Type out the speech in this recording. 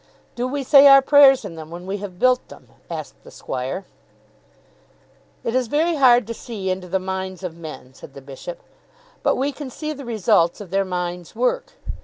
"Do we say our prayers in them when we have built them?" asked the Squire. "It is very hard to see into the minds of men," said the Bishop; "but we can see the results of their minds' work.